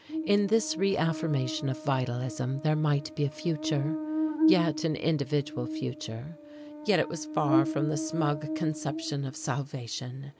In this reaffirmation of vitalism there might be a future, yes, an individual future, yet it was far from the smug conception of salvation.